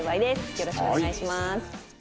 よろしくお願いします。